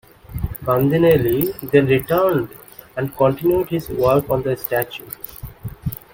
Bandinelli then returned and continued his work on the statue.